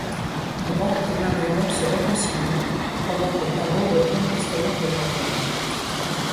Grant et Marion se réconcilient, pendant que Taro retourne tristement au Japon.